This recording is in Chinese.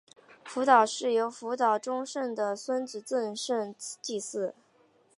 福岛氏由福岛忠胜的孙子正胜继嗣。